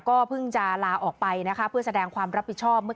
ก็เพิ่งจะลาออกไปนะคะเพื่อแสดงความรับผิดชอบเมื่อ